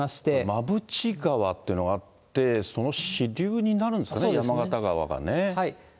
まぶち川っていうのがあって、その支流になるんですかね、山形川がね。